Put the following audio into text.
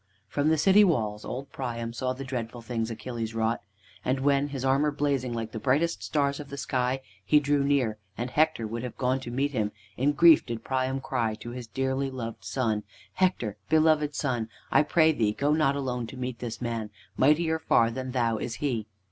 From the city walls old Priam saw the dreadful things Achilles wrought. And when, his armor blazing like the brightest stars of the sky, he drew near, and Hector would have gone to meet him, in grief did Priam cry to his dearly loved son: "Hector, beloved son, I pray thee go not alone to meet this man; mightier far than thou is he."